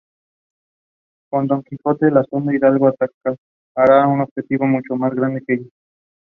They were evicted.